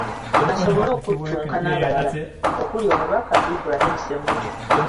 Basobole okuttunka n’abalala okuli omubaka Ibrahim Ssemujju.